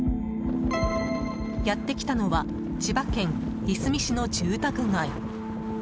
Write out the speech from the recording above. やってきたのは千葉県いすみ市の住宅街。